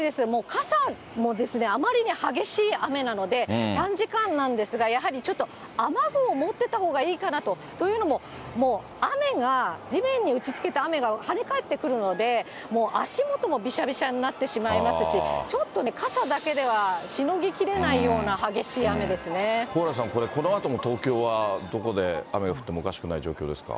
傘もですね、あまりに激しい雨なので、短時間なんですが、やはりちょっと雨具を持ってたほうがいいかなと。というのも、もう、雨が、地面に打ちつけた雨が、跳ね返ってくるので、もう足元もびしゃびしゃになってしまいますし、ちょっとね、傘だけではしのぎきれな蓬莱さん、このあとも東京はどこで雨が降ってもおかしくない状況ですか？